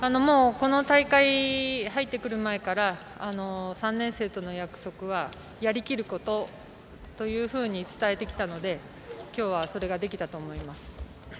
この大会に入ってくる前から３年生との約束はやりきることというふうに伝えてきたので今日はそれができたと思います。